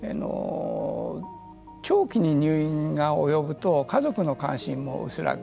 長期に入院が及ぶと家族の関心も薄らぐ。